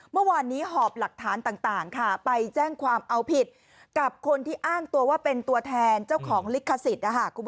เมื่อวานนี้หอบหลักฐานต่างไปแจ้งความเอาผิดกับคนที่อ้างตัวว่าเป็นตัวแทนเจ้าของลิขสิทธิ์